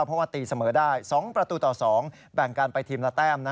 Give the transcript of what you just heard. เพราะว่าตีเสมอได้๒ประตูต่อ๒แบ่งกันไปทีมละแต้ม